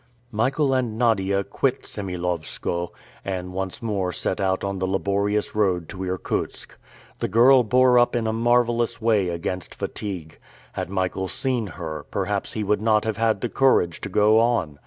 Michael and Nadia quitted Semilowskoe, and once more set out on the laborious road to Irkutsk. The girl bore up in a marvelous way against fatigue. Had Michael seen her, perhaps he would not have had the courage to go on.